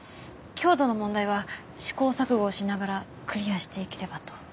強度の問題は試行錯誤をしながらクリアしていければと。